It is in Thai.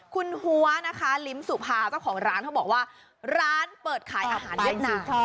คุณหัวนะคะลิ้มสุภาเจ้าของร้านเขาบอกว่าร้านเปิดขายอาหารเวียดนาม